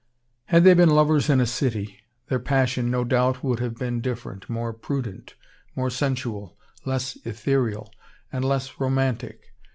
Had they been lovers in a city, their passion, no doubt, would have been different, more prudent, more sensual, less ethereal, and less romantic.